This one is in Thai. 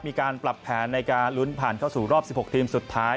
มีการปรับแผนในการลุ้นผ่านเข้าสู่รอบ๑๖ทีมสุดท้าย